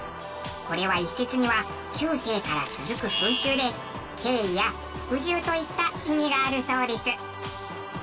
これは一説には中世から続く風習で敬意や服従といった意味があるそうです。